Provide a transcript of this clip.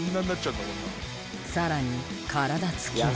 さらに体つきは。